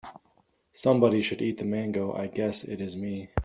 Somebody should eat the mango, I guess it is me.